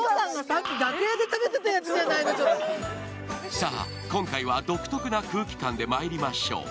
さあ、今回は独特な空気感でまいりましょう。